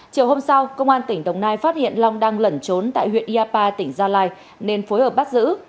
chiều hôm sau công an tỉnh đồng nai phát hiện long đang lẩn trốn tại huyện yapa tỉnh gia lai nên phối hợp bắt giữ